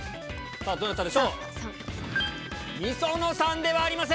さあ、どなたでしょう。